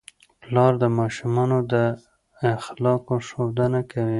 پلار د ماشومانو د اخلاقو ښودنه کوي.